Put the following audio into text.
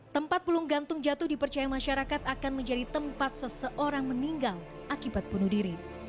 tempat bulung gantung jatuh dipercaya masyarakat akan menjadi tempat seseorang meninggal akibat bunuh diri